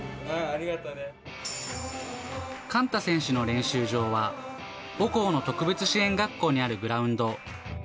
寛太選手の練習場は、母校の特別支援学校にあるグラウンド。